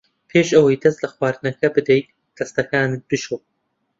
پێش ئەوەی دەست لە خواردنەکە بدەیت دەستەکانت بشۆ.